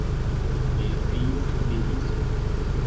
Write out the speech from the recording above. Beatriz e Benício